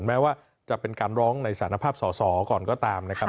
แม้ว่าจะเป็นการร้องในสารภาพส่อก่อนก็ตาม